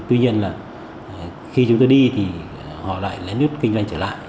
tuy nhiên là khi chúng tôi đi thì họ lại lén lút kinh doanh trở lại